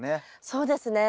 そうですね。